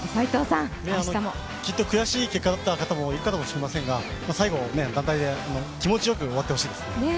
きっと悔しい結果だった方もいるかもしれませんが最後、団体で気持ちよく終わってほしいですね。